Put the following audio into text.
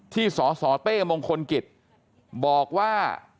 สสเต้มงคลกิจบอกว่า